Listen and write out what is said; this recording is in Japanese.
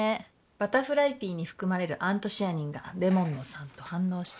バタフライピーに含まれるアントシアニンがレモンの酸と反応して。